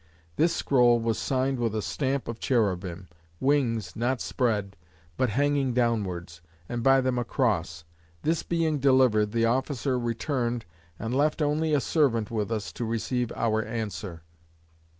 This scroll was signed with a stamp of cherubim: wings, not spread, but hanging downwards; and by them a cross. This being delivered, the officer returned, and left only a servant with us to receive our answer.